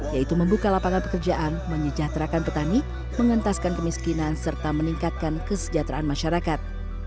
yaitu membuka lapangan pekerjaan menyejahterakan petani mengentaskan kemiskinan serta meningkatkan kesejahteraan masyarakat